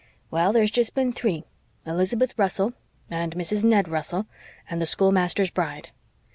"Well, there's jest been three Elizabeth Russell, and Mrs. Ned Russell, and the schoolmaster's bride.